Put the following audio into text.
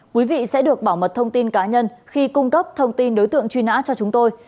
quý vị sẽ được bảo mật thông tin cá nhân khi cung cấp thông tin đối tượng truy nã cho chúng tôi